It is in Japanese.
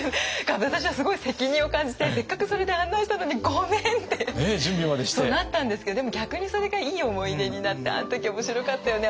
私はすごい責任を感じてせっかくそれで案内したのにごめんってなったんですけどでも逆にそれがいい思い出になってあの時面白かったよね